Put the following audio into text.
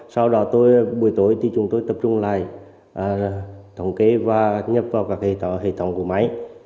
sau đó tôi buổi tối thì chúng tôi tập trung lại thống kê và nhập vào các hệ thống của máy